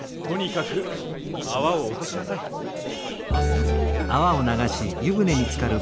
とにかくあわをおとしなさい。